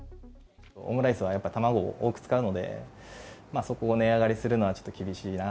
オムライスはやっぱり卵を多く使うので、そこを値上がりするのは厳しいな。